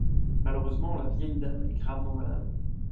Malheureusement la vieille dame est gravement malade.